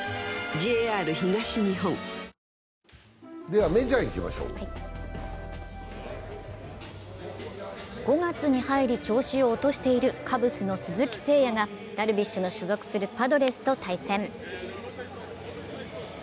では、メジャーいきましょう５月に入り調子を落としているカブスの鈴木誠也がダルビッシュの所属するパドレスと対戦。